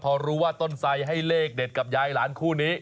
พอรู้ว่าต้นไสให้เลขเด็ดกับยายหลานคู่นี้